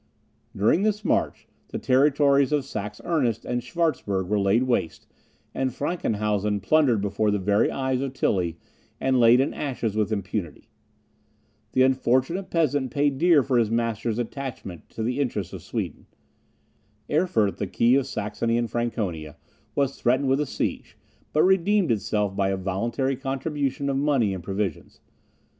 During this march, the territories of Saxe Ernest and Schwartzburg were laid waste, and Frankenhausen plundered before the very eyes of Tilly, and laid in ashes with impunity. The unfortunate peasant paid dear for his master's attachment to the interests of Sweden. Erfurt, the key of Saxony and Franconia, was threatened with a siege, but redeemed itself by a voluntary contribution of money and provisions.